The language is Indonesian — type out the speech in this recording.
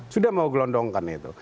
sudah mau gelondongkan itu